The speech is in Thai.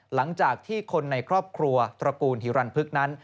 หลังจากที่คนในครอบครัวตระกูลฮิรันพึกนั้น